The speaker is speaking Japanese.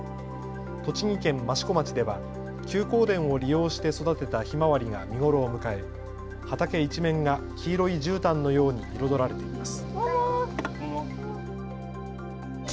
栃木県益子町では休耕田を利用して育てたひまわりが見頃を迎え畑一面が黄色いじゅうたんのように彩られています。